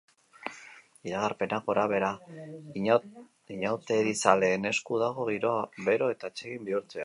Iragarpena gorabehera, inauterizaleen esku dago giroa bero eta atsegin bihurtzea.